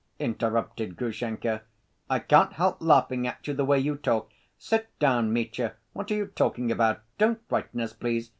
interrupted Grushenka. "I can't help laughing at you, the way you talk. Sit down, Mitya, what are you talking about? Don't frighten us, please.